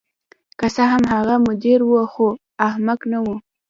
که څه هم هغه مدیر و خو احمق نه و